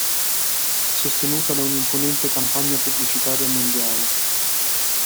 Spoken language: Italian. Sostenuta da un'imponente campagna pubblicitaria mondiale.